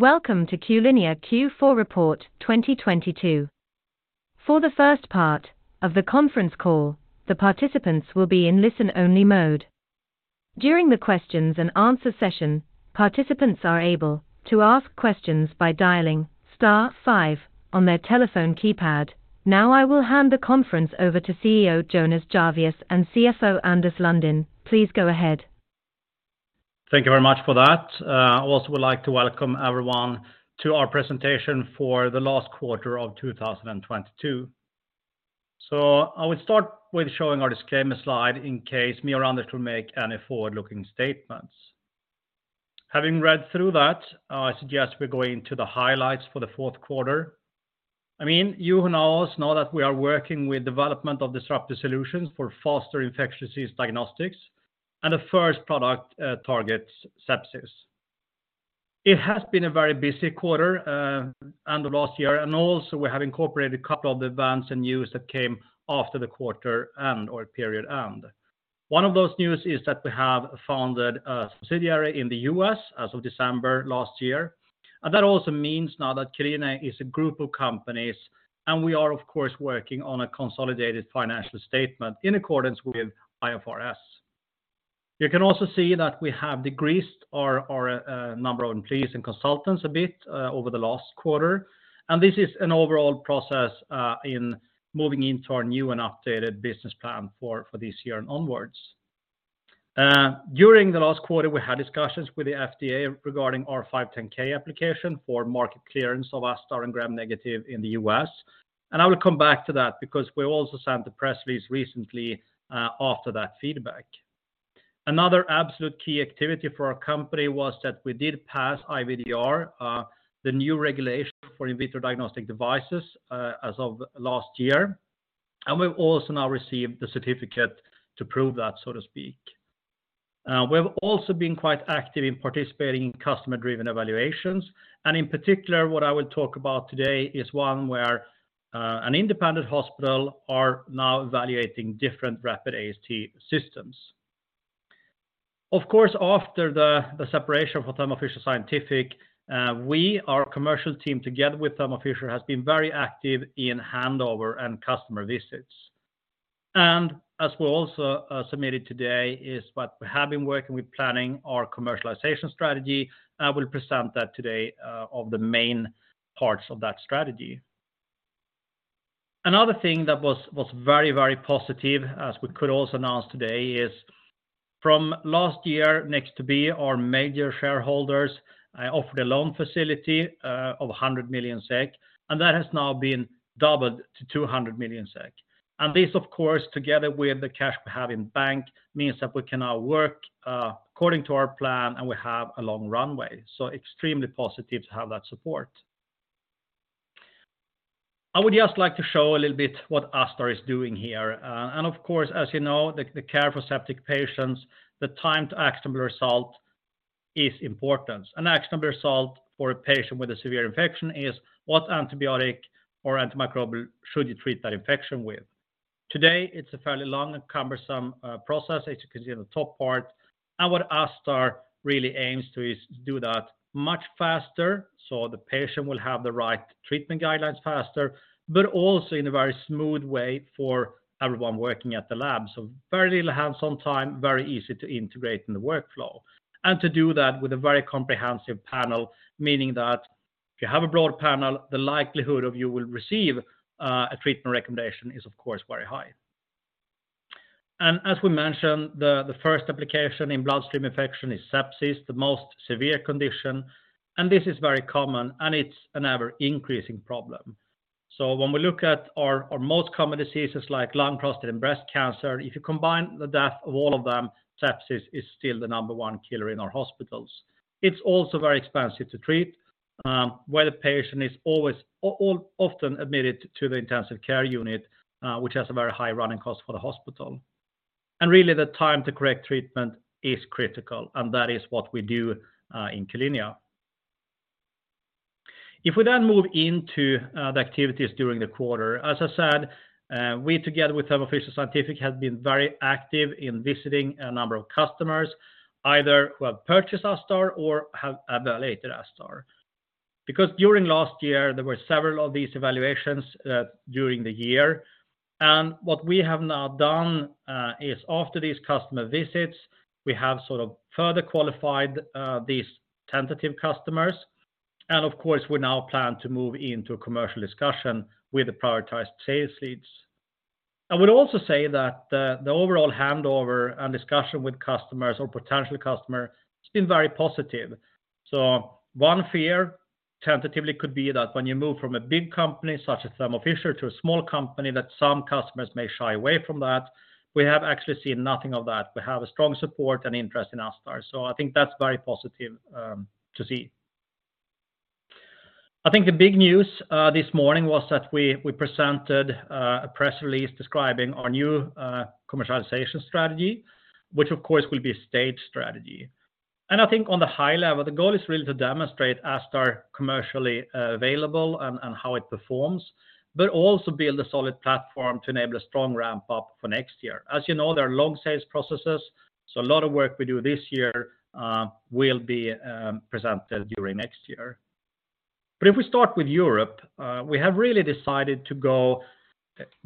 Welcome to Q-linea Q4 report 2022. For the first part of the conference call, the participants will be in listen-only mode. During the questions and answer session, participants are able to ask questions by dialing star five on their telephone keypad. I will hand the conference over to CEO Jonas Jarvius and CFO Anders Lundin. Please go ahead. Thank you very much for that. Also would like to welcome everyone to our presentation for the last quarter of 2022. I will start with showing our disclaimer slide in case me or Anders will make any forward-looking statements. Having read through that, I suggest we go into the highlights for the fourth quarter. I mean, you who know us know that we are working with development of disruptive solutions for faster infectious disease diagnostics, and the first product targets sepsis. It has been a very busy quarter and the last year, and also we have incorporated a couple of events and news that came after the quarter end or period end. One of those news is that we have founded a subsidiary in the U.S. as of December last year. That also means now that Q-linea is a group of companies, and we are of course, working on a consolidated financial statement in accordance with IFRS. You can also see that we have decreased our number of employees and consultants a bit over the last quarter, and this is an overall process in moving into our new and updated business plan for this year and onwards. During the last quarter, we had discussions with the FDA regarding our 510(k) application for market clearance of ASTar and Gram negative in the U.S.. I will come back to that because we also sent the press release recently after that feedback. Another absolute key activity for our company was that we did pass IVDR, the new regulation for in vitro diagnostic devices as of last year. We've also now received the certificate to prove that, so to speak. We've also been quite active in participating in customer-driven evaluations. In particular, what I will talk about today is one where an independent hospital are now evaluating different rapid AST systems. After the separation from Thermo Fisher Scientific, we, our commercial team, together with Thermo Fisher, has been very active in handover and customer visits. As we also submitted today, is what we have been working with planning our commercialization strategy. I will present that today of the main parts of that strategy. Another thing that was very, very positive, as we could also announce today, is from last year, Nexttobe, our major shareholders, offered a loan facility of 100 million SEK, and that has now been doubled to 200 million SEK. This, of course, together with the cash we have in bank, means that we can now work according to our plan, and we have a long runway. Extremely positive to have that support. I would just like to show a little bit what ASTar is doing here. Of course, as you know, the care for septic patients, the time to actionable result is important. An actionable result for a patient with a severe infection is what antibiotic or antimicrobial should you treat that infection with? Today, it's a fairly long and cumbersome process, as you can see on the top part. What ASTar really aims to is do that much faster, so the patient will have the right treatment guidelines faster, but also in a very smooth way for everyone working at the lab. Very little hands-on time, very easy to integrate in the workflow. To do that with a very comprehensive panel, meaning that if you have a broad panel, the likelihood of you will receive a treatment recommendation is of course, very high. As we mentioned, the first application in bloodstream infection is sepsis, the most severe condition. This is very common, and it's an ever-increasing problem. When we look at our most common diseases like lung, prostate, and breast cancer, if you combine the death of all of them, sepsis is still the number one killer in our hospitals. It's also very expensive to treat, where the patient is always often admitted to the intensive care unit, which has a very high running cost for the hospital. The time to correct treatment is critical, and that is what we do in Q-linea. We move into the activities during the quarter, as I said, we together with Thermo Fisher Scientific, have been very active in visiting a number of customers, either who have purchased ASTar or have evaluated ASTar. Last year, there were several of these evaluations during the year. What we have now done is after these customer visits, we have sort of further qualified these tentative customers. We now plan to move into a commercial discussion with the prioritized sales leads. I would also say that the overall handover and discussion with customers or potential customer has been very positive. One fear tentatively could be that when you move from a big company such as Thermo Fisher to a small company, that some customers may shy away from that. We have actually seen nothing of that. We have a strong support and interest in ASTar. I think that's very positive to see. I think the big news this morning was that we presented a press release describing our new commercialization strategy, which of course will be a stage strategy. I think on the high level, the goal is really to demonstrate ASTar commercially available and how it performs, but also build a solid platform to enable a strong ramp up for next year. As you know, there are long sales processes, so a lot of work we do this year, will be presented during next year. If we start with Europe, we have really decided to go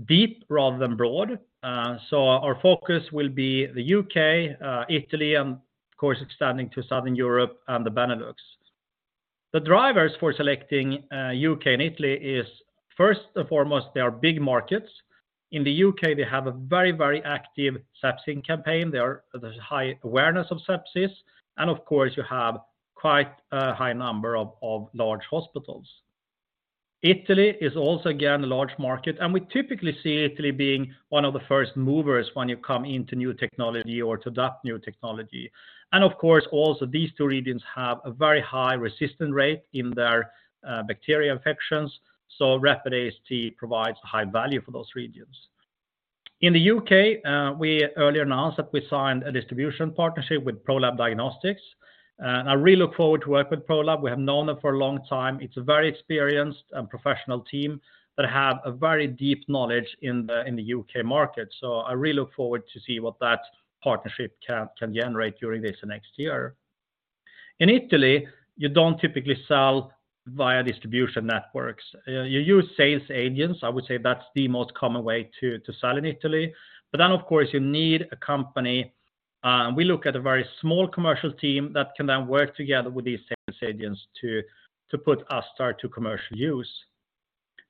deep rather than broad. Our focus will be the U.K.. Italy, and of course, extending to Southern Europe and the Benelux. The drivers for selecting U.K.. and Italy is first and foremost, they are big markets. In the U.K.., they have a very active sepsis campaign. There's high awareness of sepsis, and of course, you have quite a high number of large hospitals. Italy is also again, a large market, and we typically see Italy being one of the first movers when you come into new technology or to adopt new technology. Also these two regions have a very high resistant rate in their bacteria infections, so Rapid AST provides high value for those regions. In the U.K..., we earlier announced that we signed a distribution partnership with Pro-Lab Diagnostics, and I really look forward to work with Pro-Lab. We have known them for a long time. It's a very experienced and professional team that have a very deep knowledge in the U.K.. market. I really look forward to see what that partnership can generate during this next year. In Italy, you don't typically sell via distribution networks. You use sales agents. I would say that's the most common way to sell in Italy. Of course you need a company, and we look at a very small commercial team that can then work together with these sales agents to put ASTar to commercial use.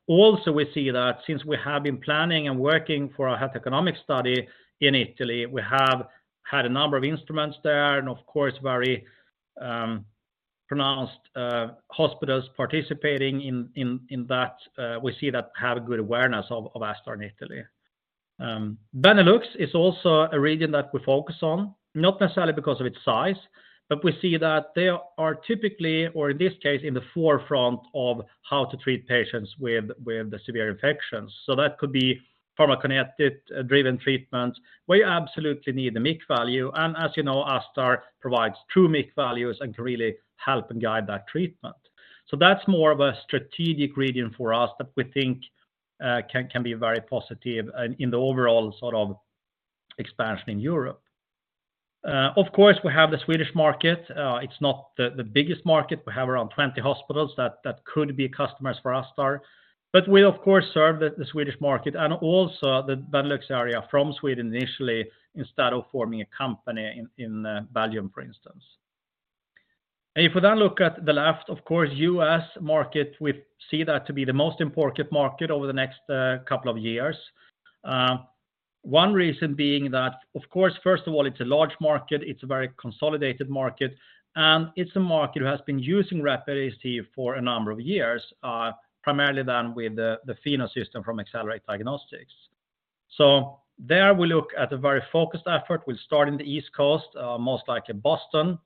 Also, we see that since we have been planning and working for a health economic study in Italy, we have had a number of instruments there and of course very pronounced hospitals participating in that, we see that have a good awareness of ASTar in Italy. Benelux is also a region that we focus on, not necessarily because of its size, but we see that they are typically, or in this case, in the forefront of how to treat patients with the severe infections. That could be pharmacokinetic driven treatments where you absolutely need the MIC value. As you know, ASTar provides true MIC values and can really help and guide that treatment. That's more of a strategic region for us that we think can be very positive in the overall sort of expansion in Europe. Of course, we have the Swedish market. It's not the biggest market. We have around 20 hospitals that could be customers for ASTar, but we of course serve the Swedish market and also the Benelux area from Sweden initially, instead of forming a company in Belgium, for instance. If we then look at the left, of course, U.S.. market, we see that to be the most important market over the next couple of years. One reason being that, of course, first of all, it's a large market, it's a very consolidated market, and it's a market who has been using Rapid AST for a number of years, primarily then with the Pheno system from Accelerate Diagnostics. There we look at a very focused effort. We'll start in the East Coast, most likely Boston,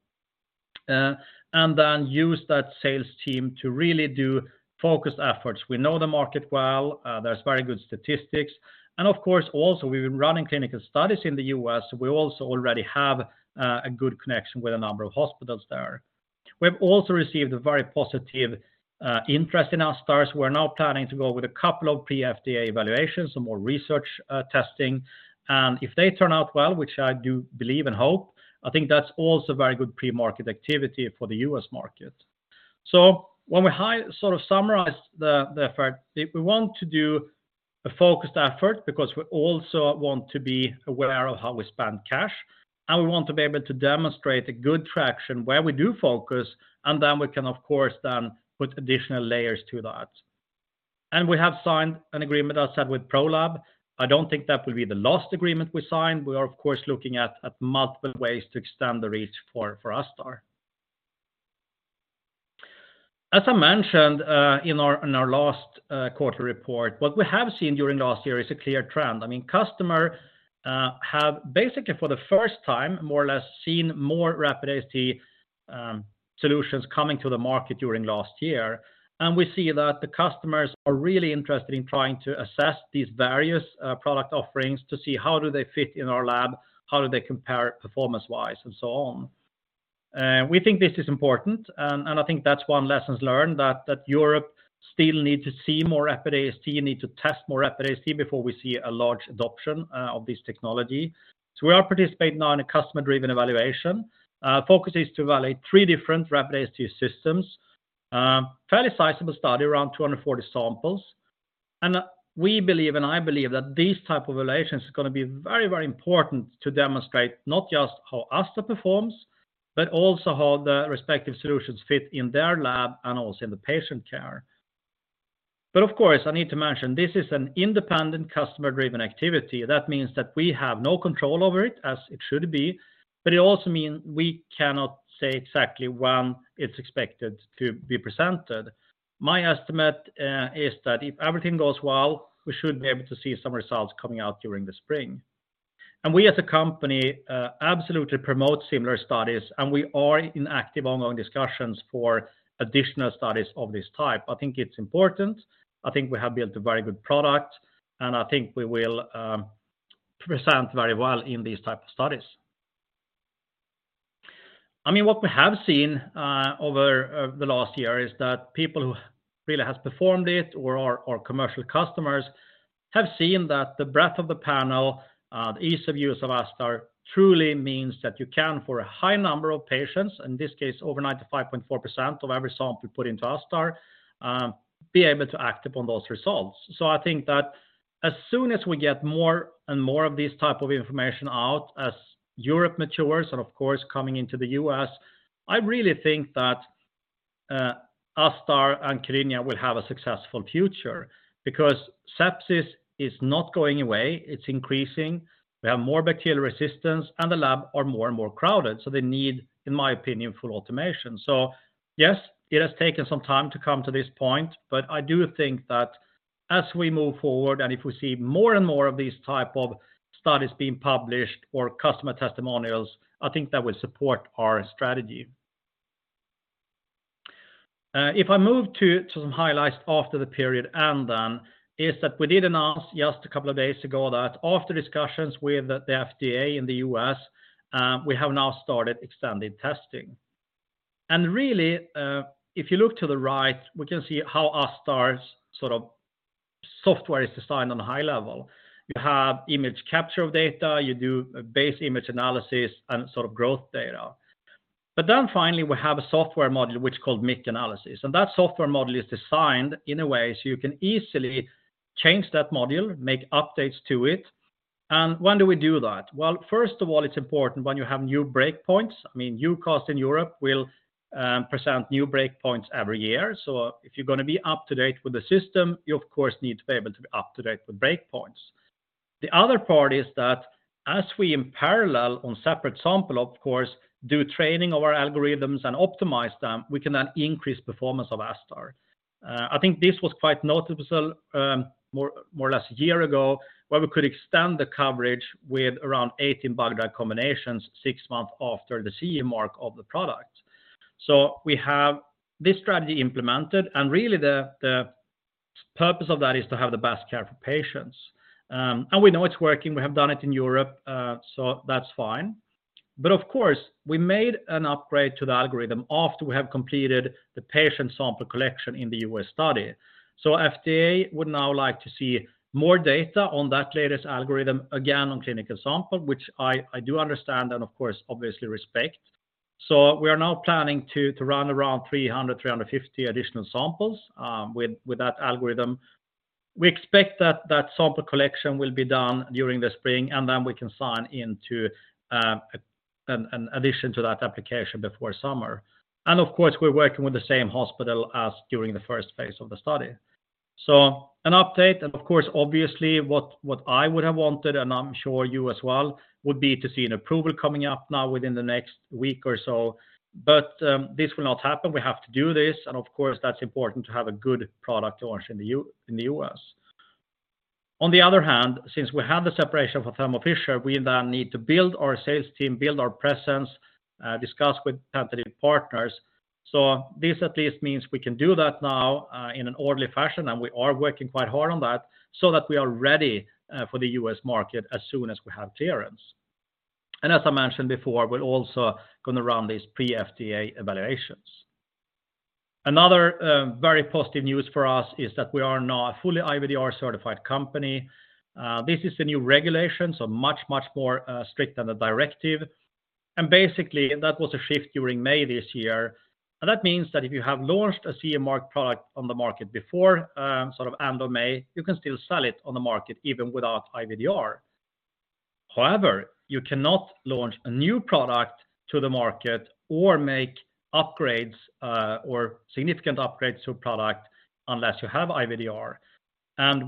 and then use that sales team to really do focused efforts. We know the market well, there's very good statistics, and of course also we've been running clinical studies in the U.S.., so we also already have a good connection with a number of hospitals there. We've also received a very positive interest in ASTar. We're now planning to go with a couple of pre FDA evaluations, some more research, testing, and if they turn out well, which I do believe and hope, I think that's also very good pre-market activity for the U.S.. market. When we sort of summarize the effort, we want to do a focused effort because we also want to be aware of how we spend cash, and we want to be able to demonstrate a good traction where we do focus, and then we can of course, then put additional layers to that. We have signed an agreement, as said, with Pro-Lab. I don't think that will be the last agreement we sign. We are of course looking at multiple ways to extend the reach for ASTar. As I mentioned, in our last quarterly report, what we have seen during last year is a clear trend. I mean, customer have basically for the first time, more or less seen more Rapid AST solutions coming to the market during last year. We see that the customers are really interested in trying to assess these various product offerings to see how do they fit in our lab, how do they compare performance-wise, and so on. We think this is important, and I think that's one lessons learned that Europe still need to see more Rapid AST, need to test more Rapid AST before we see a large adoption of this technology. We are participating now in a customer-driven evaluation. Focus is to evaluate three different Rapid AST systems. Fairly sizable study, around 240 samples. We believe, and I believe that these type of evaluations is gonna be very, very important to demonstrate not just how ASTar performs, but also how the respective solutions fit in their lab and also in the patient care. Of course, I need to mention this is an independent customer-driven activity. That means that we have no control over it as it should be, but it also means we cannot say exactly when it's expected to be presented. My estimate is that if everything goes well, we should be able to see some results coming out during the spring. We as a company absolutely promote similar studies, and we are in active ongoing discussions for additional studies of this type. I think it's important. I think we have built a very good product. I think we will present very well in these type of studies. I mean, what we have seen over the last year is that people who really has performed it or are commercial customers have seen that the breadth of the panel, the ease of use of ASTar truly means that you can, for a high number of patients, in this case over 95.4% of every sample put into ASTar, be able to act upon those results. I think that as soon as we get more and more of this type of information out as Europe matures and of course, coming into the U.S.., I really think that ASTar and Q-linea will have a successful future because sepsis is not going away, it's increasing. We have more bacterial resistance, the lab are more and more crowded, they need, in my opinion, full automation. Yes, it has taken some time to come to this point. I do think that as we move forward and if we see more and more of these type of studies being published or customer testimonials, I think that will support our strategy. If I move to some highlights after the period and then is that we did announce just a couple of days ago that after discussions with the FDA in the U.S.., we have now started extended testing. Really, if you look to the right, we can see how ASTar's sort of software is designed on a high level. You have image capture of data, you do base image analysis and sort of growth data. Finally, we have a software module which is called MIC analysis. That software module is designed in a way so you can easily change that module, make updates to it. When do we do that? Well, first of all, it's important when you have new breakpoints. I mean, EUCAST in Europe will present new breakpoints every year. If you're going to be up to date with the system, you of course, need to be able to be up to date with breakpoints. The other part is that as we in parallel on separate sample, of course, do training of our algorithms and optimize them, we can then increase performance of ASTar. I think this was quite noticeable, more or less a year ago, where we could extend the coverage with around 18 bug drug combinations 6 months after the CE mark of the product. We have this strategy implemented, and really the purpose of that is to have the best care for patients. And we know it's working. We have done it in Europe, so that's fine. Of course, we made an upgrade to the algorithm after we have completed the patient sample collection in the U.S. study. FDA would now like to see more data on that latest algorithm, again, on clinical sample, which I do understand and of course, obviously respect. We are now planning to run around 350 additional samples with that algorithm. We expect that that sample collection will be done during the spring, and then we can sign into an addition to that application before summer. Of course, we're working with the same hospital as during the PI of the study. An update, and of course, obviously what I would have wanted, and I'm sure you as well, would be to see an approval coming up now within the next week or so. This will not happen. We have to do this, and of course, that's important to have a good product launch in the U.S.. On the other hand, since we have the separation from Thermo Fisher, we then need to build our sales team, build our presence, discuss with tentative partners. This at least means we can do that now in an orderly fashion, and we are working quite hard on that so that we are ready for the U.S.. market as soon as we have clearance. As I mentioned before, we're also going to run these pre-FDA evaluations. Another very positive news for us is that we are now a fully IVDR certified company. This is the new regulation, much, much more strict than the directive. Basically, that was a shift during May this year. That means that if you have launched a CE mark product on the market before, sort of end of May, you can still sell it on the market even without IVDR. You cannot launch a new product to the market or make upgrades, or significant upgrades to a product unless you have IVDR.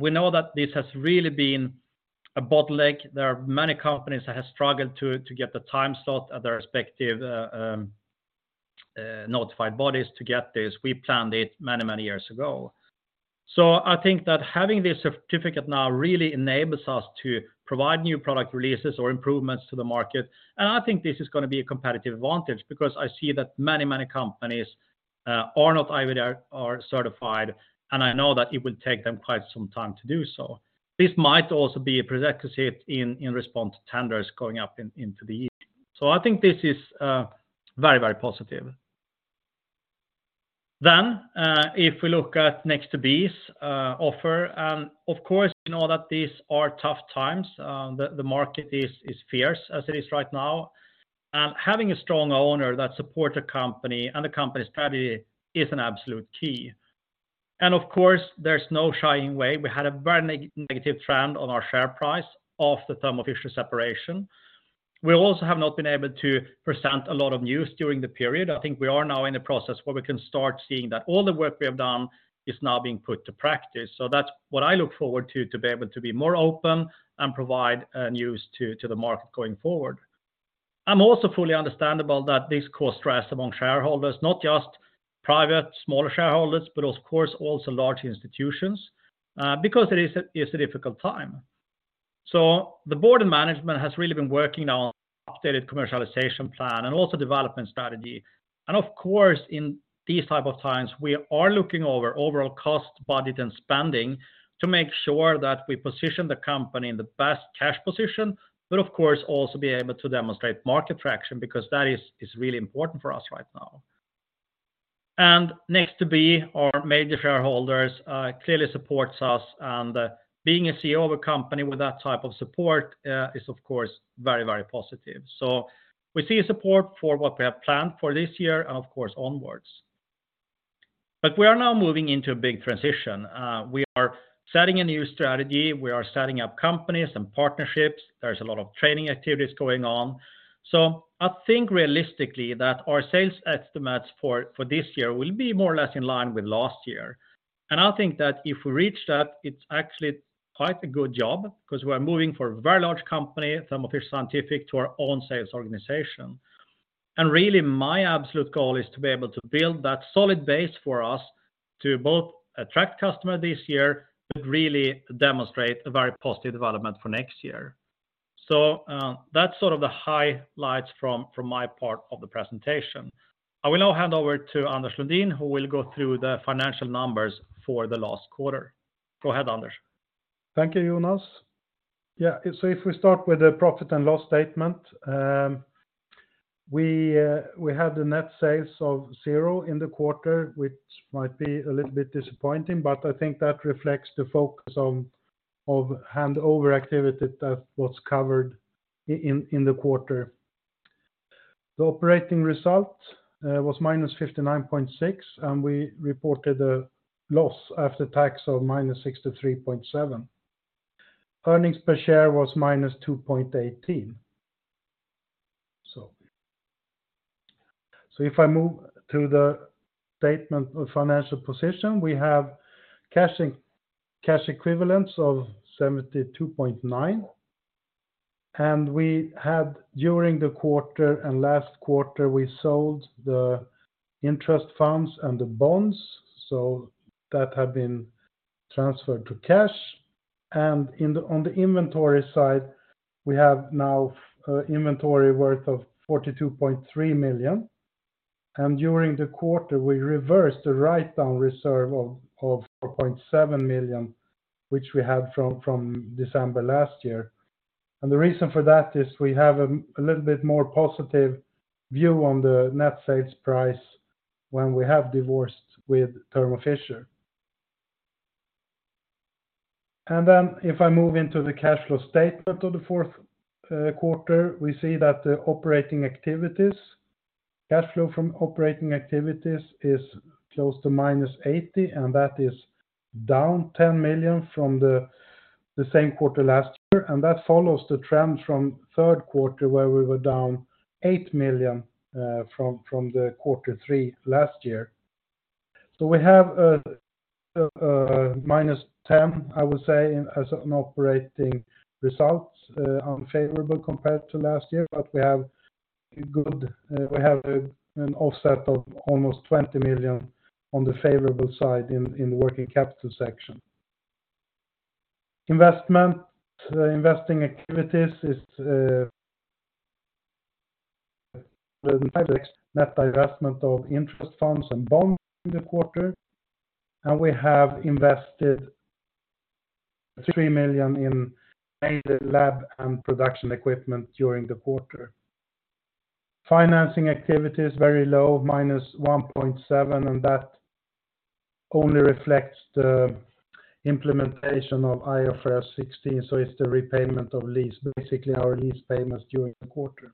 We know that this has really been a bottleneck. There are many companies that have struggled to get the time slot at their respective Notified Bodies to get this. We planned it many, many years ago. I think that having this certificate now really enables us to provide new product releases or improvements to the market. I think this is going to be a competitive advantage because I see that many, many companies are not IVDR are certified, and I know that it will take them quite some time to do so. This might also be a prerequisite in response to tenders going up into the year. I think this is very, very positive. If we look at Nexttobe's offer, of course, you know that these are tough times. The market is fierce as it is right now. Having a strong owner that support the company and the company strategy is an absolute key. Of course, there's no shying away. We had a very negative trend on our share price of the Thermo Fisher separation. We also have not been able to present a lot of news during the period. I think we are now in a process where we can start seeing that all the work we have done is now being put to practice. That's what I look forward to be able to be more open and provide news to the market going forward. I'm also fully understandable that this cause stress among shareholders, not just private, smaller shareholders, but of course also large institutions, because it's a difficult time. The board and management has really been working on updated commercialization plan and also development strategy. Of course, in these type of times, we are looking over overall cost, budget, and spending to make sure that we position the company in the best cash position, but of course, also be able to demonstrate market traction because that is really important for us right now. Nexttobe our major shareholders, clearly supports us, and being a CEO of a company with that type of support is of course very, very positive. We see support for what we have planned for this year, and of course onwards. We are now moving into a big transition. We are setting a new strategy. We are starting up companies and partnerships. There's a lot of training activities going on. I think realistically that our sales estimates for this year will be more or less in line with last year. I think that if we reach that, it's actually quite a good job because we are moving for a very large company, Thermo Fisher Scientific, to our own sales organization. Really my absolute goal is to be able to build that solid base for us to both attract customer this year, but really demonstrate a very positive development for next year. That's sort of the highlights from my part of the presentation. I will now hand over to Anders Lundin, who will go through the financial numbers for the last quarter. Go ahead, Anders. Thank you, Jonas. Yeah. If we start with the profit and loss statement, we had the net sales of zero in the quarter, which might be a little bit disappointing, but I think that reflects the focus on, of handover activity that was covered in the quarter. The operating result was -59.6, and we reported a loss after tax of -63.7. Earnings per share was -2.18. If I move to the statement of financial position, we have cash equivalents of 72.9. We had during the quarter and last quarter, we sold the interest funds and the bonds, so that had been transferred to cash. On the inventory side, we have now inventory worth of 42.3 million. During the quarter, we reversed the write-down reserve of 4.7 million, which we had from December last year. The reason for that is we have a little bit more positive view on the net sales price when we have divorced with Thermo Fisher. If I move into the cash flow statement of the fourth quarter, we see that the operating activities, cash flow from operating activities is close to minus 80 million. That is down 10 million from the same quarter last year. That follows the trend from third quarter, where we were down 8 million from the quarter three last year. We have minus 10 million, I would say, as an operating result, unfavorable compared to last year. We have a good, we have an offset of almost 20 million on the favorable side in working capital section. Investment, investing activities is net divestment of interest funds and bonds in the quarter. We have invested 3 million in major lab and production equipment during the quarter. Financing activity is very low, minus 1.7, and that only reflects the implementation of IFRS 16. It's the repayment of lease, basically our lease payments during the quarter.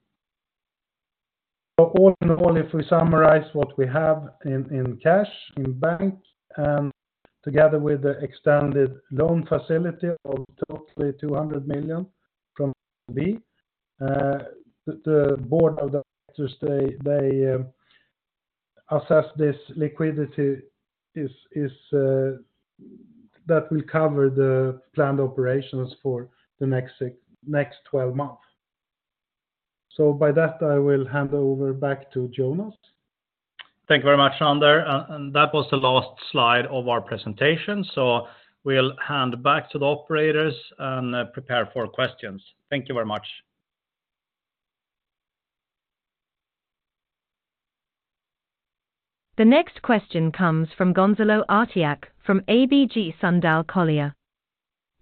All in all, if we summarize what we have in cash, in bank, together with the extended loan facility of totally 200 million from the board of directors, they assess this liquidity is that will cover the planned operations for the next 12 months. By that, I will hand over back to Jonas. Thank you very much, Anders. That was the last slide of our presentation. We'll hand back to the operators and prepare for questions. Thank you very much. The next question comes from Gonzalo Artiach from ABG Sundal Collier.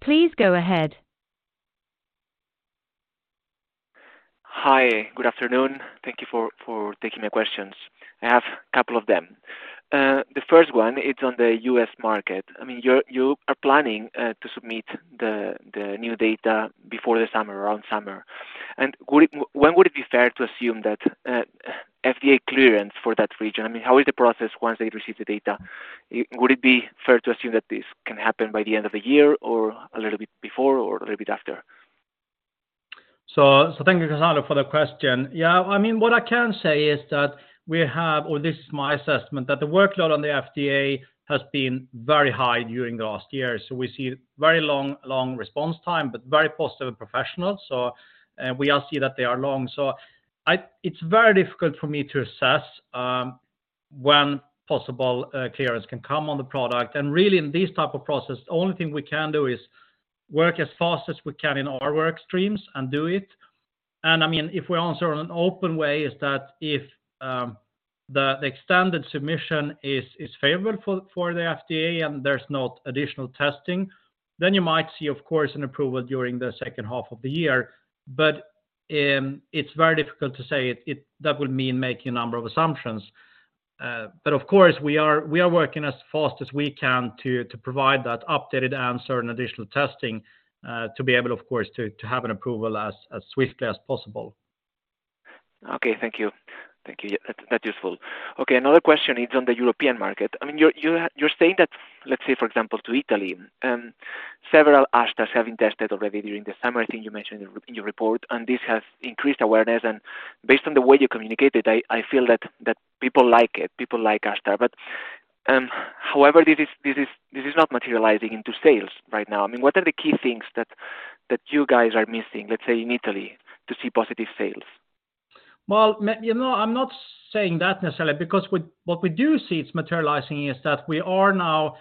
Please go ahead. Hi, good afternoon. Thank you for taking my questions. I have a couple of them. The first one, it's on the U.S.. market. I mean, you are planning to submit the new data before the summer, around summer. When would it be fair to assume that FDA clearance for that region, I mean, how is the process once they receive the data? Would it be fair to assume that this can happen by the end of the year or a little bit before or a little bit after? Thank you, Gonzalo, for the question. I mean, what I can say is that we have, or this is my assessment, that the workload on the FDA has been very high during the last year. We see very long response time, but very positive professionals. We all see that they are long. It's very difficult for me to assess when possible clearance can come on the product. Really in this type of process, the only thing we can do is work as fast as we can in our work streams and do it. I mean, if we answer in an open way, is that if the extended submission is favorable for the FDA and there's not additional testing, then you might see, of course, an approval during the second half of the year. It's very difficult to say it that would mean making a number of assumptions. Of course, we are working as fast as we can to provide that updated answer and additional testing, to be able, of course, to have an approval as swiftly as possible. Thank you. That's useful. Another question is on the European market. I mean, you're saying that, let's say for example to Italy, several ASTars have been tested already during the summer. I think you mentioned in your report, and this has increased awareness. Based on the way you communicate it, I feel that people like it, people like ASTar. However, this is not materializing into sales right now. I mean, what are the key things that you guys are missing, let's say, in Italy to see positive sales? Well, you know, I'm not saying that necessarily, because what we do see it's materializing is that we are now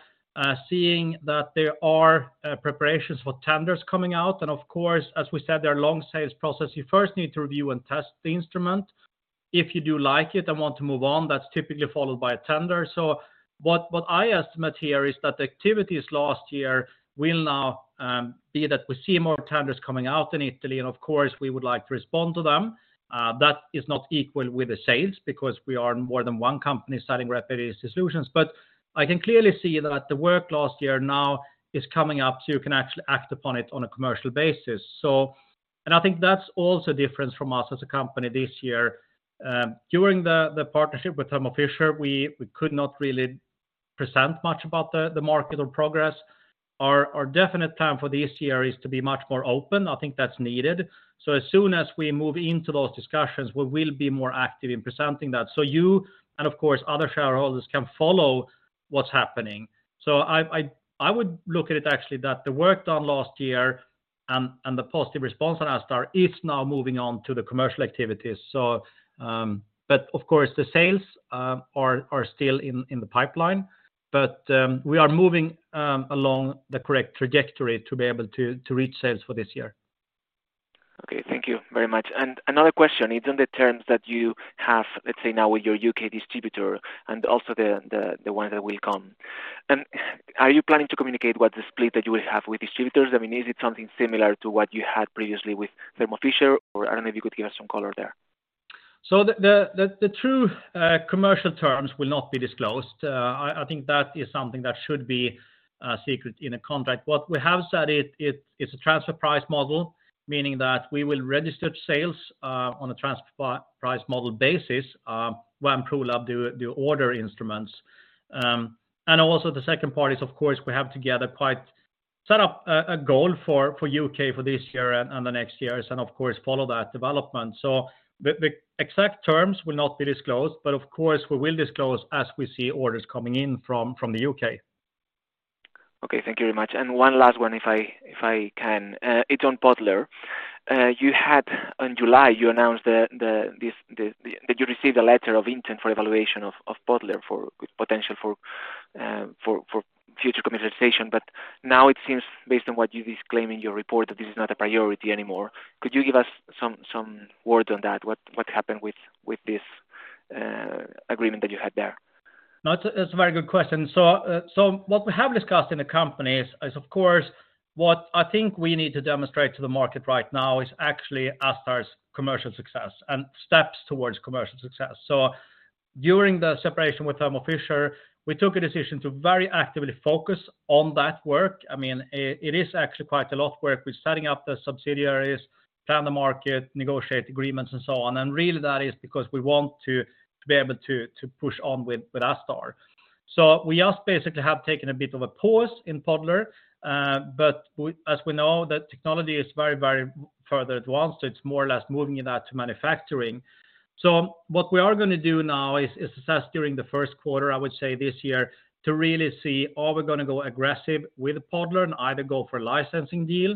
seeing that there are preparations for tenders coming out. Of course, as we said, there are long sales process. You first need to review and test the instrument. If you do like it and want to move on, that's typically followed by a tender. What I estimate here is that the activities last year will now be that we see more tenders coming out in Italy, and of course, we would like to respond to them. That is not equal with the sales because we are more than one company selling rapid AST solutions. I can clearly see that the work last year now is coming up, so you can actually act upon it on a commercial basis. I think that's also a difference from us as a company this year. During the partnership with Thermo Fisher, we could not really present much about the market or progress. Our definite plan for this year is to be much more open. I think that's needed. As soon as we move into those discussions, we will be more active in presenting that. You and of course, other shareholders can follow what's happening. I would look at it actually that the work done last year and the positive response on ASTar is now moving on to the commercial activities. Of course, the sales are still in the pipeline. We are moving along the correct trajectory to be able to reach sales for this year. Okay. Thank you very much. Another question is on the terms that you have, let's say now with your U.K.. Distributor and also the one that will come. Are you planning to communicate what the split that you will have with distributors? I mean, is it something similar to what you had previously with Thermo Fisher, or I don't know if you could give us some color there. The true commercial terms will not be disclosed. I think that is something that should be secret in a contract. What we have said it's a transfer price model, meaning that we will register sales on a transfer price model basis when Pro-Lab do order instruments. Also the second part is, of course, we have together quite set up a goal for U.K. for this year and the next years, and of course, follow that development. The exact terms will not be disclosed, but of course, we will disclose as we see orders coming in from the U.K. Okay. Thank you very much. One last one, if I can. It's on Podler. In July, you announced that you received a letter of intent for evaluation of Podler for potential for future commercialization. Now it seems based on what you disclaim in your report, that this is not a priority anymore. Could you give us some words on that? What happened with this agreement that you had there? No, it's a very good question. What we have discussed in the company is, of course, what I think we need to demonstrate to the market right now is actually ASTar's commercial success and steps towards commercial success. During the separation with Thermo Fisher, we took a decision to very actively focus on that work. I mean, it is actually quite a lot of work with setting up the subsidiaries, plan the market, negotiate agreements, and so on. Really that is because we want to be able to push on with ASTar. We just basically have taken a bit of a pause in Podler. But as we know, the technology is very further advanced. It's more or less moving it out to manufacturing. What we are gonna do now is assess during the first quarter, I would say this year, to really see, are we gonna go aggressive with Podler and either go for a licensing deal,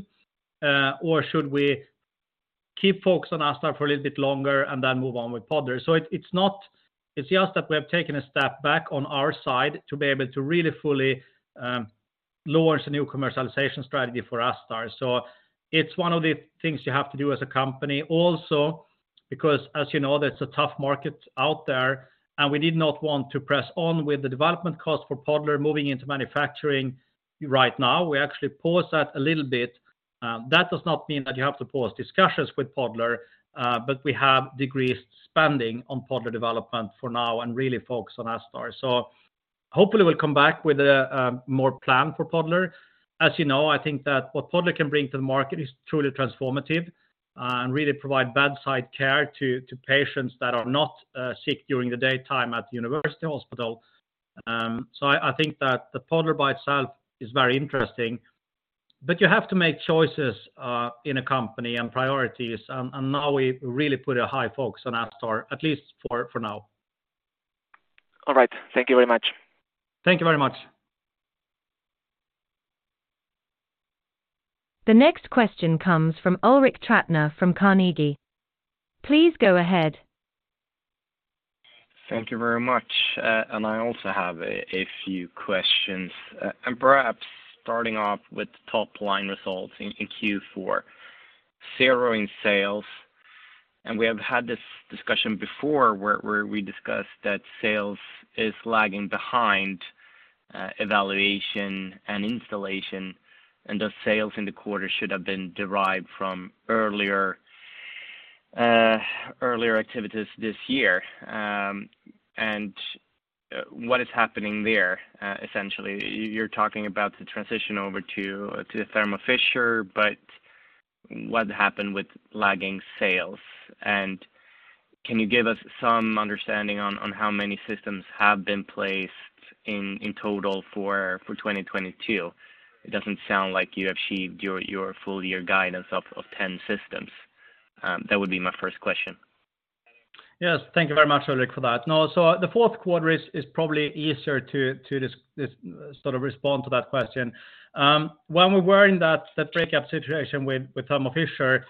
or should we keep focused on ASTar for a little bit longer and then move on with Podler. It's just that we have taken a step back on our side to be able to really fully launch a new commercialization strategy for ASTar. It's one of the things you have to do as a company also, because as you know, there's a tough market out there, and we did not want to press on with the development cost for Podler moving into manufacturing right now. We actually paused that a little bit. That does not mean that you have to pause discussions with Podler, but we have decreased spending on Podler development for now and really focus on ASTar. Hopefully we'll come back with a more plan for Podler. As you know, I think that what Podler can bring to the market is truly transformative, and really provide bedside care to patients that are not sick during the daytime at university hospital. I think that the Podler by itself is very interesting, but you have to make choices in a company and priorities. Now we really put a high focus on ASTar, at least for now. All right. Thank you very much. Thank you very much. The next question comes from Ulrik Trattner from Carnegie. Please go ahead. Thank you very much. I also have a few questions. Perhaps starting off with top line results in Q4. Zero in sales. We have had this discussion before where we discussed that sales is lagging behind, evaluation and installation, and the sales in the quarter should have been derived from earlier activities this year. What is happening there, essentially? You're talking about the transition over to Thermo Fisher, but what happened with lagging sales? Can you give us some understanding on how many systems have been placed in total for 2022? It doesn't sound like you achieved your full year guidance of 10 systems. That would be my first question. Yes. Thank you very much, Ulrik, for that. The fourth quarter is probably easier to just sort of respond to that question. When we were in that breakup situation with Thermo Fisher,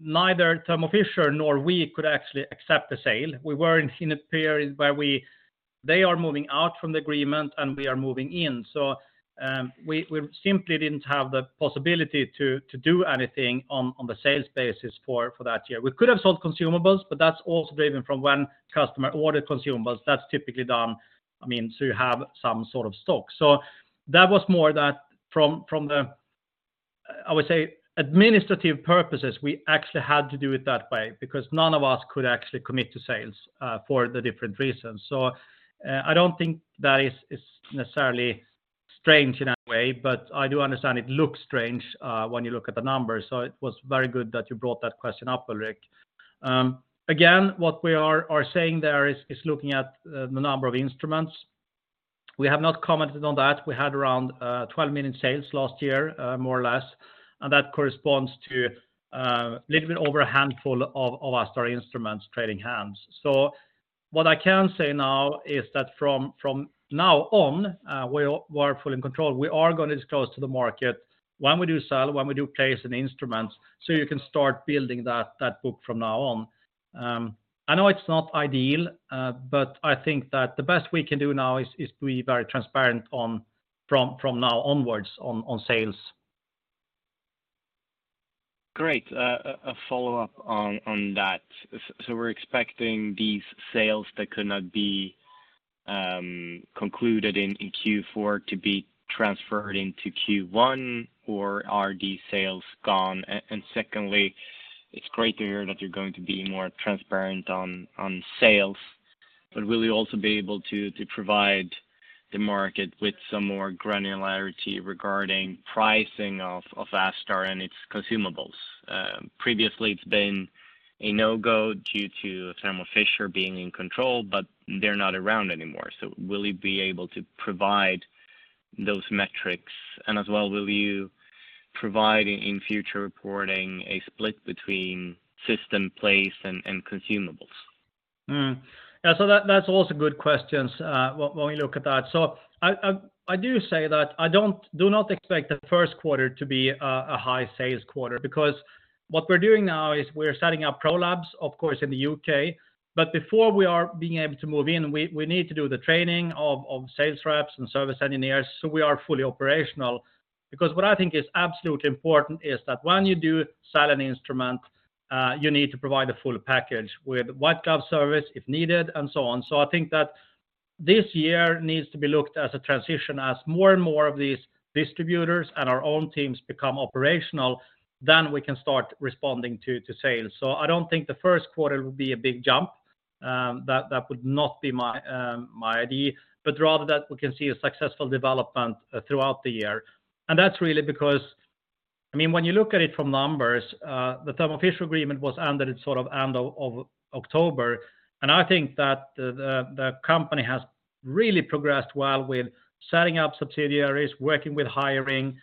neither Thermo Fisher nor we could actually accept the sale. We were in a period where they are moving out from the agreement, and we are moving in. We simply didn't have the possibility to do anything on the sales basis for that year. We could have sold consumables, but that's also driven from when customer ordered consumables. That's typically done, I mean, to have some sort of stock. That was more that from the, I would say, administrative purposes, we actually had to do it that way because none of us could actually commit to sales for the different reasons. I don't think that is necessarily strange in a way, but I do understand it looks strange when you look at the numbers. It was very good that you brought that question up, Ulrik. Again, what we are saying there is looking at the number of instruments. We have not commented on that. We had around 12 million sales last year, more or less, and that corresponds to a little bit over a handful of ASTar instruments trading hands. What I can say now is that from now on, we're fully in control. We are gonna disclose to the market when we do sell, when we do place an instrument. You can start building that book from now on. I know it's not ideal. I think that the best we can do now is to be very transparent from now onwards on sales. Great. A follow-up on that. We're expecting these sales that could not be concluded in Q4 to be transferred into Q1, or are these sales gone? Secondly, it's great to hear that you're going to be more transparent on sales. Will you also be able to provide the market with some more granularity regarding pricing of ASTar and its consumables? Previously it's been a no-go due to Thermo Fisher being in control, but they're not around anymore. Will you be able to provide those metrics? As well, will you provide in future reporting a split between system place and consumables? That, that's also good questions when we look at that. I do say that I do not expect the first quarter to be a high sales quarter because what we're doing now is we're setting up Pro-Lab, of course, in the U.K.. Before we are being able to move in, we need to do the training of sales reps and service engineers, so we are fully operational. What I think is absolutely important is that when you do sell an instrument, you need to provide the full package with white glove service if needed and so on. I think that this year needs to be looked as a transition. As more and more of these distributors and our own teams become operational, we can start responding to sales. I don't think the first quarter will be a big jump. That would not be my idea, but rather that we can see a successful development throughout the year. That's really because, I mean, when you look at it from numbers, the Thermo Fisher agreement was ended sort of end of October. I think that the company has really progressed well with setting up subsidiaries, working with hiring,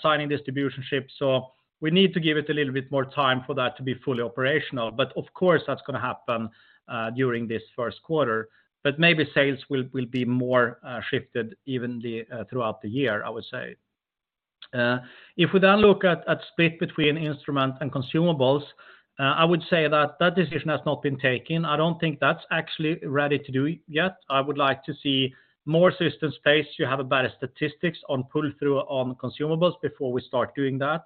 signing distribution ships. We need to give it a little bit more time for that to be fully operational. Of course, that's gonna happen during this first quarter. Maybe sales will be more shifted evenly throughout the year, I would say. If we then look at split between instrument and consumables, I would say that that decision has not been taken. I don't think that's actually ready to do yet. I would like to see more system space. You have a better statistics on pull-through on consumables before we start doing that.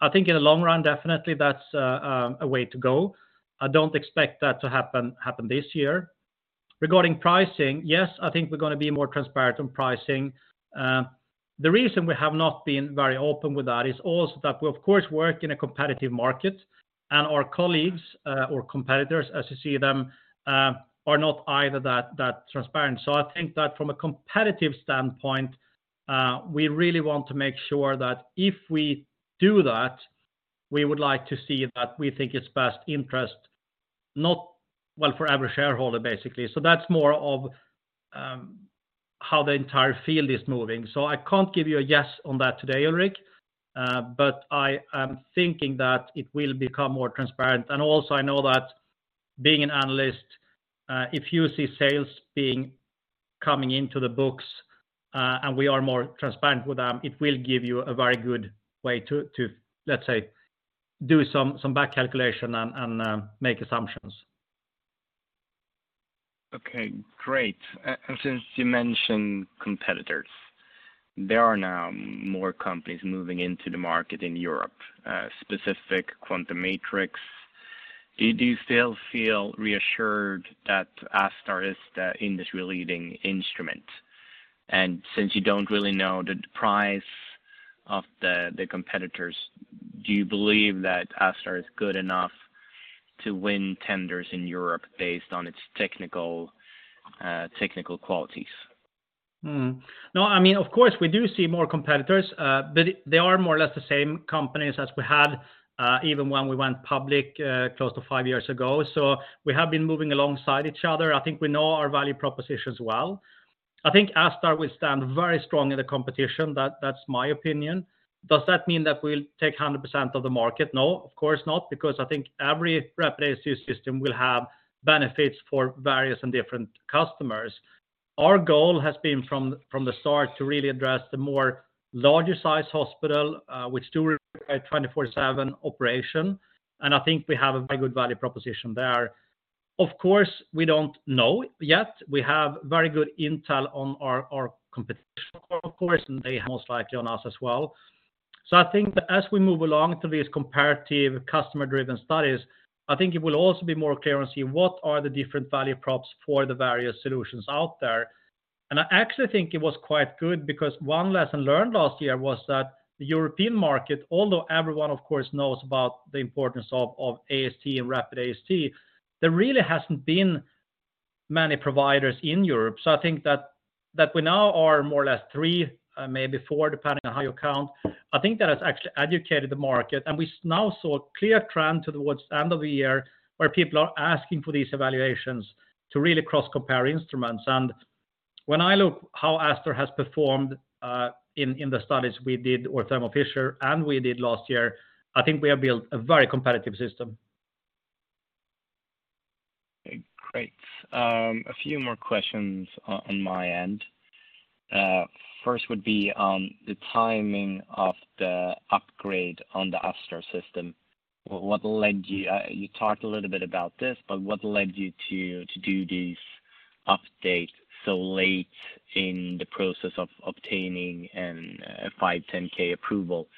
I think in the long run, definitely that's a way to go. I don't expect that to happen this year. Regarding pricing, yes, I think we're gonna be more transparent on pricing. The reason we have not been very open with that is also that we, of course, work in a competitive market, and our colleagues, or competitors, as you see them, are not either that transparent. I think that from a competitive standpoint, we really want to make sure that if we do that, we would like to see that we think it's best interest, not, well for every shareholder, basically. That's more of how the entire field is moving. I can't give you a yes on that today, Ulrik, but I am thinking that it will become more transparent. Also, I know that being an analyst, if you see sales coming into the books, and we are more transparent with them, it will give you a very good way to, let's say, do some back calculation and make assumptions. Okay, great. Since you mentioned competitors, there are now more companies moving into the market in Europe, specific QuantaMatrix. Do you still feel reassured that ASTar is the industry-leading instrument? Since you don't really know the price of the competitors, do you believe that ASTar is good enough to win tenders in Europe based on its technical qualities? I mean, of course, we do see more competitors, but they are more or less the same companies as we had, even when we went public, close to five years ago. We have been moving alongside each other. I think we know our value propositions well. I think ASTar will stand very strong in the competition, that's my opinion. Does that mean that we'll take 100% of the market? Of course, not, because I think every Rapid AST system will have benefits for various and different customers. Our goal has been from the start to really address the more larger size hospital, which do require 24/7 operation, and I think we have a very good value proposition there. We don't know yet. We have very good intel on our competition, of course, and they most likely on us as well. I think that as we move along to these comparative customer-driven studies, I think it will also be more clear and see what are the different value props for the various solutions out there. I actually think it was quite good because one lesson learned last year was that the European market, although everyone of course knows about the importance of AST and Rapid AST, there really hasn't been many providers in Europe. I think that we now are more or less three, maybe four, depending on how you count. I think that has actually educated the market, and we now saw a clear trend towards end of the year where people are asking for these evaluations to really cross-compare instruments. When I look how ASTar has performed, in the studies we did with Thermo Fisher, and we did last year, I think we have built a very competitive system. Okay, great. A few more questions on my end. First would be on the timing of the upgrade on the ASTar system. What led you? You talked a little bit about this, but what led you to do this update so late in the process of obtaining a 510(k) approval?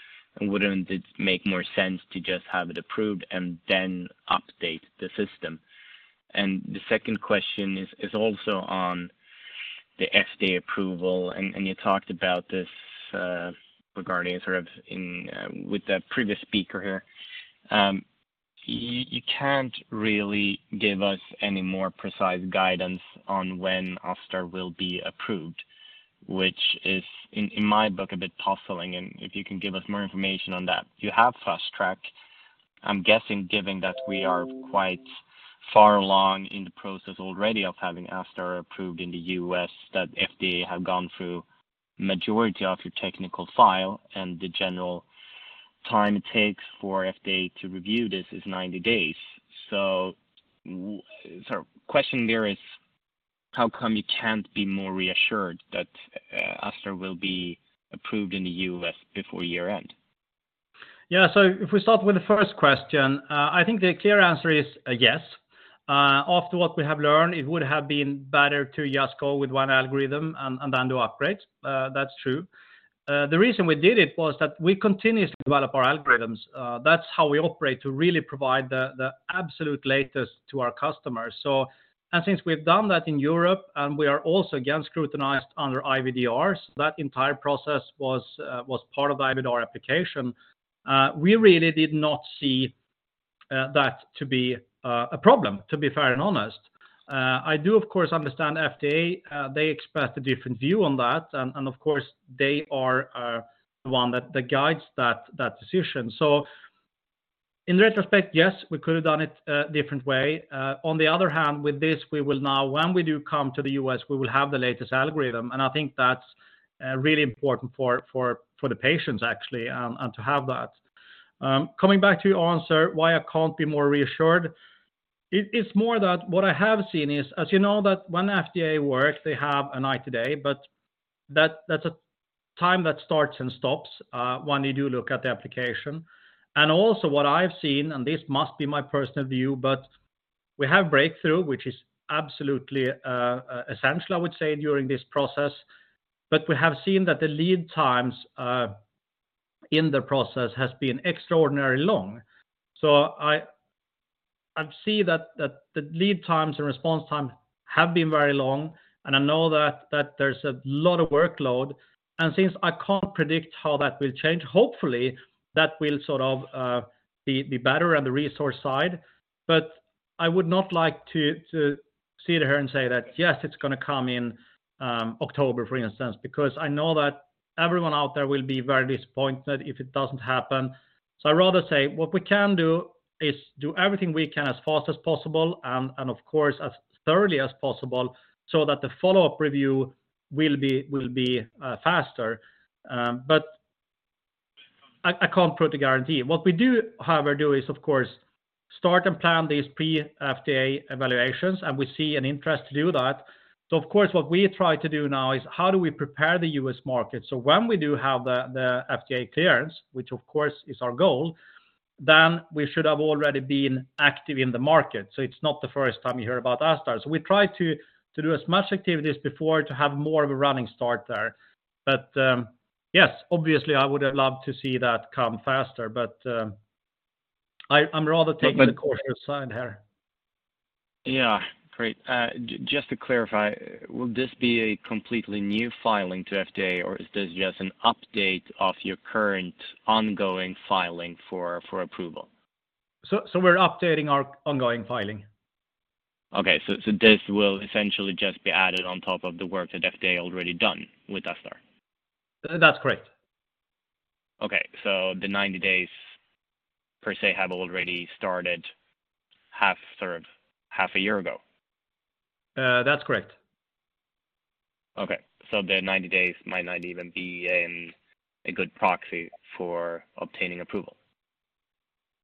Wouldn't it make more sense to just have it approved and then update the system? The second question is also on the FDA approval, and you talked about this regarding sort of in with the previous speaker here. You can't really give us any more precise guidance on when ASTar will be approved, which is in my book, a bit puzzling, and if you can give us more information on that. You have Fast Track. I'm guessing, given that we are quite far along in the process already of having ASTar approved in the U.S.. that FDA have gone through majority of your technical file, and the general time it takes for FDA to review this is 90 days. Sorry. Question there is, how come you can't be more reassured that ASTar will be approved in the U.S.. Before year-end? Yeah. If we start with the first question, I think the clear answer is a yes. After what we have learned, it would have been better to just go with one algorithm and then do upgrades. That's true. The reason we did it was that we continuously develop our algorithms. That's how we operate to really provide the absolute latest to our customers. And since we've done that in Europe, and we are also, again, scrutinized under IVDRs, that entire process was part of the IVDR application. We really did not see that to be a problem, to be fair and honest. I do, of course, understand FDA, they express a different view on that, and of course, they are the one that guides that decision. In retrospect, yes, we could have done it a different way. On the other hand, with this, when we do come to the U.S.. We will have the latest algorithm, and I think that's really important for the patients actually, and to have that. Coming back to your answer, why I can't be more reassured. It's more that what I have seen is, as you know, that when FDA works, they have an eye today, but that's a time that starts and stops when they do look at the application. Also what I've seen, and this must be my personal view, but we have Breakthrough, which is absolutely essential, I would say, during this process. We have seen that the lead times in the process has been extraordinarily long. I see that the lead times and response time have been very long, and I know that there's a lot of workload, and since I can't predict how that will change, hopefully, that will sort of be better on the resource side. I would not like to sit here and say that, "Yes, it's gonna come in October," for instance, because I know that everyone out there will be very disappointed if it doesn't happen. I'd rather say what we can do is do everything we can as fast as possible and of course, as thoroughly as possible so that the follow-up review will be faster. I can't put a guarantee. What we do, however, is of course, start and plan these pre FDA evaluations, We see an interest to do that. Of course, what we try to do now is how do we prepare the U.S.. market. When we do have the FDA clearance, which of course is our goal. Then we should have already been active in the market. It's not the first time you hear about ASTar. We try to do as much activities before to have more of a running start there. Yes, obviously, I would have loved to see that come faster, but I'm rather taking the cautious side here. Yeah. Great. Just to clarify, will this be a completely new filing to FDA, or is this just an update of your current ongoing filing for approval? We're updating our ongoing filing. Okay. This will essentially just be added on top of the work that FDA already done with ASTar. That's correct. Okay. The 90 days per se have already started half, sort of, half a year ago. That's correct. Okay. The 90 days might not even be a good proxy for obtaining approval.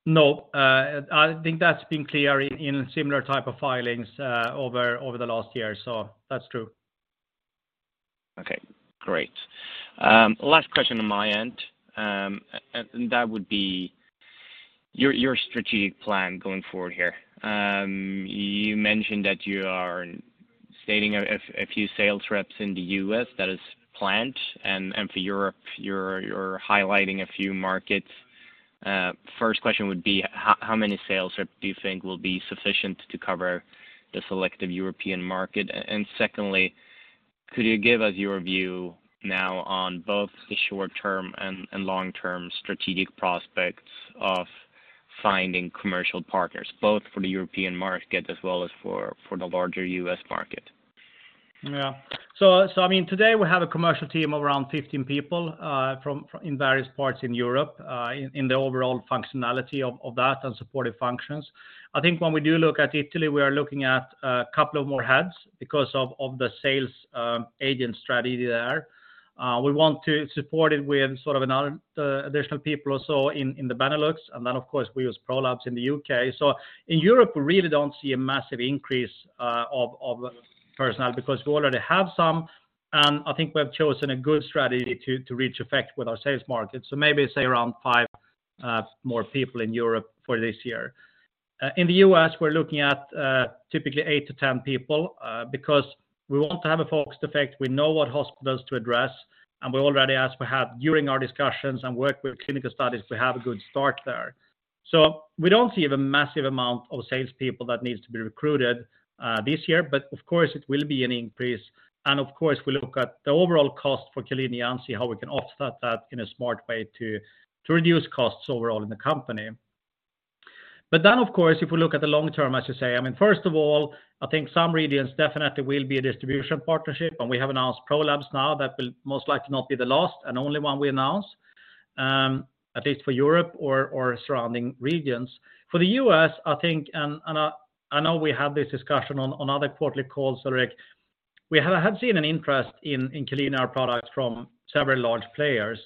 No. I think that's been clear in similar type of filings, over the last year. That's true. Okay, great. Last question on my end. That would be your strategic plan going forward here. You mentioned that you are stating a few sales reps in the U.S.. That is planned. For Europe, you're highlighting a few markets. First question would be how many sales rep do you think will be sufficient to cover the selective European market? Secondly, could you give us your view now on both the short-term and long-term strategic prospects of finding commercial partners, both for the European market as well as for the larger U.S.. Market? Yeah. I mean, today we have a commercial team of around 15 people in various parts in Europe, in the overall functionality of that and supportive functions. I think when we do look at Italy, we are looking at a couple of more heads because of the sales agent strategy there. We want to support it with sort of another additional people also in the Benelux. Of course, we use Pro-Lab in the U.K.. In Europe, we really don't see a massive increase of personnel because we already have some. I think we have chosen a good strategy to reach effect with our sales market. Maybe say around 5 more people in Europe for this year. In the U.S.., we're looking at typically 8-10 people because we want to have a focused effect. We know what hospitals to address, and we already, as we have during our discussions and work with clinical studies, we have a good start there. We don't see the massive amount of sales people that needs to be recruited this year. Of course, it will be an increase. Of course, we look at the overall cost for Q-linea and see how we can offset that in a smart way to reduce costs overall in the company. Of course, if we look at the long term, as you say, I mean, first of all, I think some regions definitely will be a distribution partnership. We have announced Pro-Lab now that will most likely not be the last and only one we announce, at least for Europe or surrounding regions. For the U.S.., I think, and I know we have this discussion on other quarterly calls, Ulrik Trattner. We have seen an interest in Q-linea products from several large players.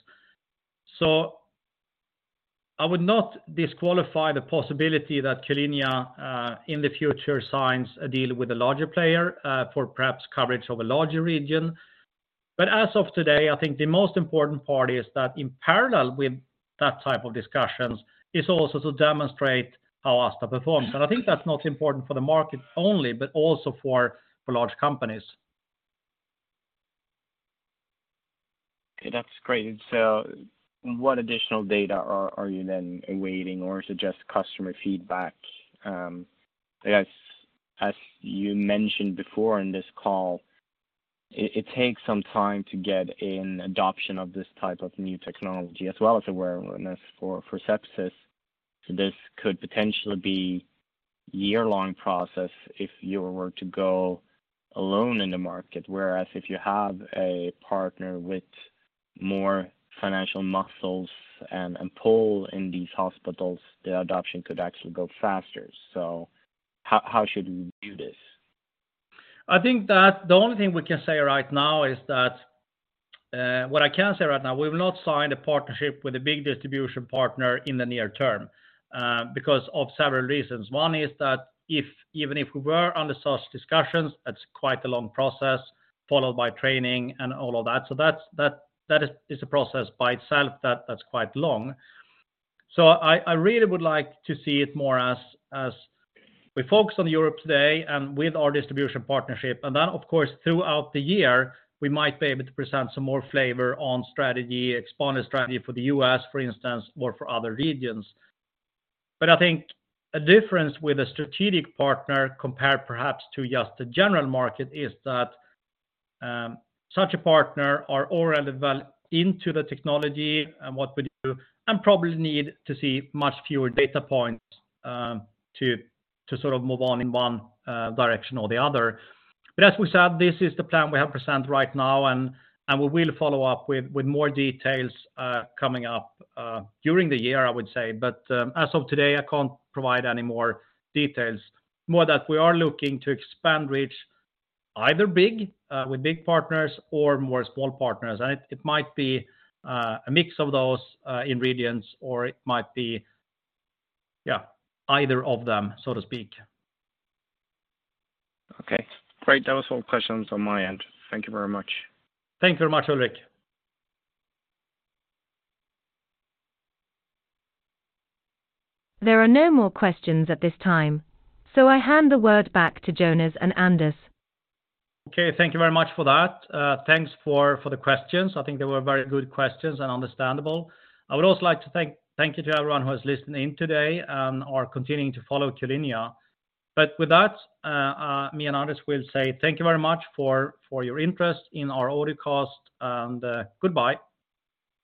I would not disqualify the possibility that Q-linea in the future signs a deal with a larger player, for perhaps coverage of a larger region. As of today, I think the most important part is that in parallel with that type of discussions is also to demonstrate how ASTar performs. I think that's not important for the market only, but also for large companies. That's great. What additional data are you then awaiting or is it just customer feedback? I guess as you mentioned before in this call, it takes some time to get an adoption of this type of new technology as well as awareness for sepsis. This could potentially be year-long process if you were to go alone in the market, whereas if you have a partner with more financial muscles and pull in these hospitals, the adoption could actually go faster. How should we view this? I think that the only thing we can say right now is that, what I can say right now, we've not signed a partnership with a big distribution partner in the near term, because of several reasons. One is that even if we were under such discussions, that's quite a long process followed by training and all of that. That is a process by itself that's quite long. I really would like to see it more as we focus on Europe today and with our distribution partnership. Then of course, throughout the year, we might be able to present some more flavor on strategy, expanded strategy for the U.S., for instance, or for other regions. I think a difference with a strategic partner compared perhaps to just the general market is that such a partner are already well into the technology and what we do and probably need to see much fewer data points to sort of move on in one direction or the other. As we said, this is the plan we have presented right now, and we will follow up with more details coming up during the year, I would say. As of today, I can't provide any more details. More that we are looking to expand reach either big with big partners or more small partners. It might be a mix of those ingredients, or it might be, yeah, either of them, so to speak. Okay, great. That was all questions on my end. Thank you very much. Thank you very much, Ulrik. There are no more questions at this time. I hand the word back to Jonas and Anders. Okay. Thank you very much for that. Thanks for the questions. I think they were very good questions and understandable. I would also like to thank you to everyone who is listening today and are continuing to follow Q-linea. With that, me and Anders will say thank you very much for your interest in our audio cast, and goodbye.